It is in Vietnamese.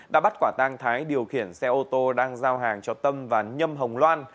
đã bắt quả tang thái điều khiển xe ô tô đang giao hàng cho tâm và nhâm hồng loan